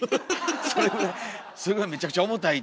それぐらいめちゃくちゃ重たい。